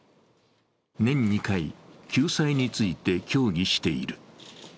年２回、救済について協議している。